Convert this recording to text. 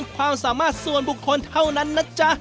ความสามารถส่วนบุคคลเท่านั้นนะจ๊ะ